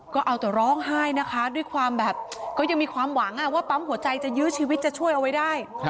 ก็เอาแต่ร้องไห้นะคะด้วยความแบบก็ยังมีความหวังว่าปั๊มหัวใจจะยื้อชีวิตจะช่วยเอาไว้ได้